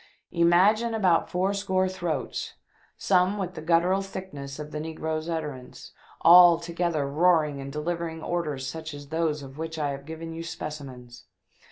Imagine about four score throats — some with the guttural thickness of the negro's utterance — all together roaring and delivering orders such as those of which I have given you specimens